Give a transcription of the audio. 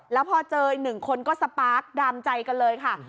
แล้วพอเจออีกหนึ่งคนก็สปาร์คดามใจกันเลยค่ะ